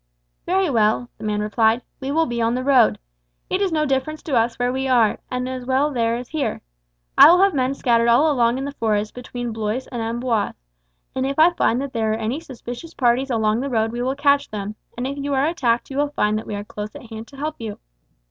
"Very well," the man replied, "we will be on the road. It is no difference to us where we are, and as well there as here. I will have men scattered all along in the forest between Blois and Amboise, and if I find that there are any suspicious parties along the road we will catch them, and if you are attacked you will find that we are close at hand to help you.